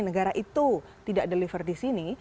negara itu tidak deliver disini